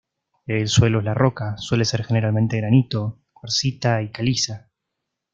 El suelo es la roca, suele ser generalmente granito, cuarcita y caliza.